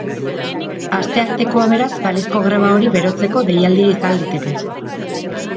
Asteartekoa, beraz, balizko greba hori berotzeko deialdia izan liteke.